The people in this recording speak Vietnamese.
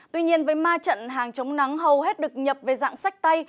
tuy nhiên với ma trận hàng chống nắng hầu hết được nhập về dạng sách tay